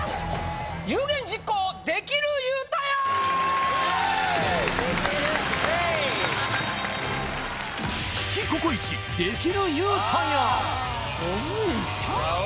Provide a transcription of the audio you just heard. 有言実行できる言うたやん